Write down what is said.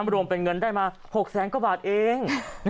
รวมเป็นเงินได้มา๖แสนกว่าบาทเอง